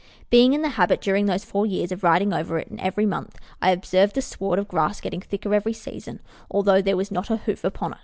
Being in the habit during those four years of riding over it every month, I observed the sward of grass getting thicker every season, although there was not a hoof upon it.